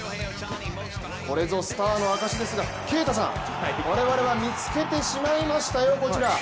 これぞスターの証しですが、啓太さん、我々は見つけてしまいましたよ、こちら。